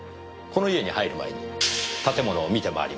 この家に入る前に建物を見て回りました。